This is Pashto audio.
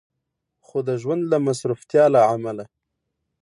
خو د ژوند د مصروفياتو له عمله